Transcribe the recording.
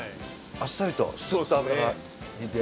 あっさりとスッと脂が引いて。